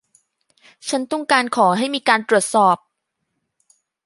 ฉันต้องการขอให้มีการตรวจสอบ